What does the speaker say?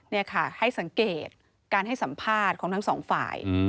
นี่ค่ะให้สังเกตการให้สัมภาษณ์ของทั้งสองฝ่าย